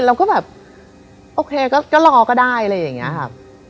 เราก็แบบโอเคก็รอก็ได้อะไรอย่างนี้ครับ